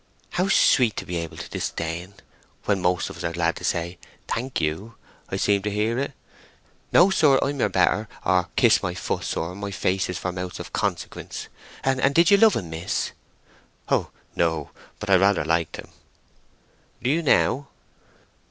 "How sweet to be able to disdain, when most of us are glad to say, 'Thank you!' I seem I hear it. 'No, sir—I'm your better.' or 'Kiss my foot, sir; my face is for mouths of consequence.' And did you love him, miss?" "Oh, no. But I rather liked him." "Do you now?"